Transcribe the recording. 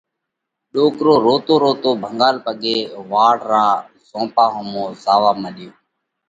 ڏوڪرو روتو روتو ڀنڳالي پڳي واڙ را زهونپا ۿومو زاوا مڏيو۔